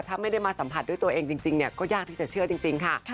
ถ้าไม่ได้มาสัมผัสด้วยตัวเองจริงก็ยากที่จะเชื่อจริงค่ะ